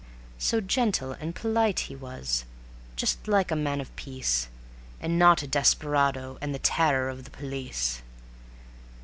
So gentle and polite he was, just like a man of peace, And not a desperado and the terror of the police.